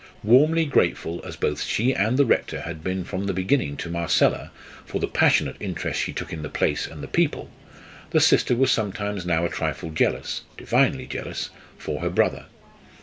Warmly grateful as both she and the Rector had been from the beginning to Marcella for the passionate interest she took in the place and the people, the sister was sometimes now a trifle jealous divinely jealous for her brother.